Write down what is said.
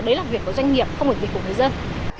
đấy là việc của doanh nghiệp không phải việc của người dân